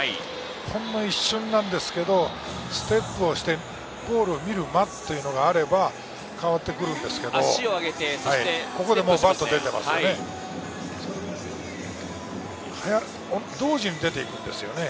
ほんの一瞬なんですけれど、ステップをしてボールを見る間があれば、変わってくるんですけれど、ここでバットが出ていますよね。